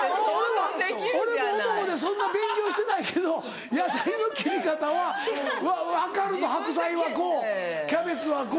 俺も男でそんな勉強してないけど野菜の切り方は分かるぞ白菜はこうキャベツはこう。